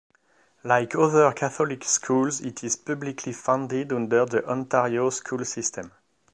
Like other Catholic schools, it is publicly funded under the Ontario school system.